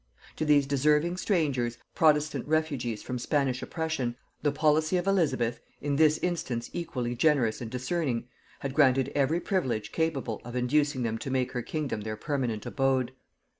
To these deserving strangers, protestant refugees from Spanish oppression, the policy of Elizabeth, in this instance equally generous and discerning, had granted every privilege capable of inducing them to make her kingdom their permanent abode.